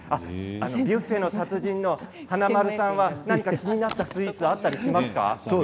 ビュッフェの達人の華丸さんは何か気になったスイーツはあったりしましたか？